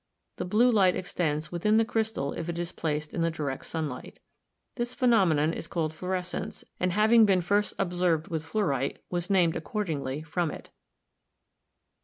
The blue light extends within the crystal if it is placed in the direct sunlight. This phenome non is called fluorescence, and having been first observed with fluorite was named accordingly from it.